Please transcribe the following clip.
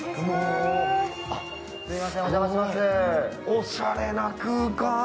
おしゃれな空間。